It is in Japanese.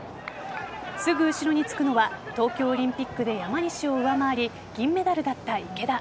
すぐ後ろにつくのは東京オリンピックで山西を上回り銀メダルだった池田。